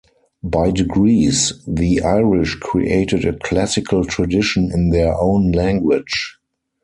By degrees the Irish created a classical tradition in their own language.